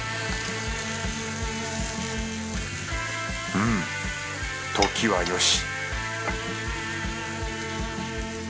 うん時はよし